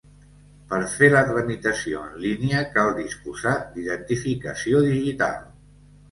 Per fer la tramitació en línia cal disposar d'identificació digital.